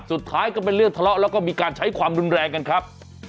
สุดท้ายก็เป็นเรื่องทะเลาะแล้วก็มีการใช้ความรุนแรงกันครับ